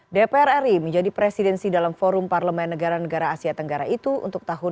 dpr ri menjadi presidensi dalam forum parlemen negara negara asia tenggara itu untuk tahun dua ribu dua puluh